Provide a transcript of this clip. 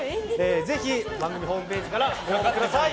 ぜひ、番組ホームページからご応募ください。